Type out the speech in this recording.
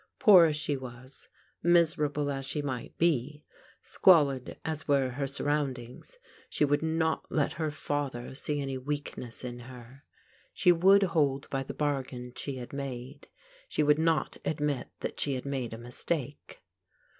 Poor as she was, miserable as she might be, squalid as were her surroundings, she would not let her father see any weakness in her. She would hold by the bargain she had made. She would not admit that she had made a mistake.